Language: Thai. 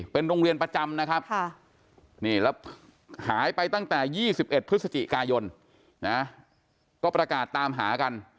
เป็นโรงเรียนประจำนะครับนี่แล้วหายไปตั้งแต่๒๑พฤศจิกายนนะก็ประกาศตามหากัน